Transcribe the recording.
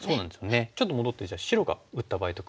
ちょっと戻ってじゃあ白が打った場合と比べてみましょうか。